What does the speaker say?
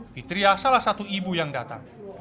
fitriah salah satu ibu yang datang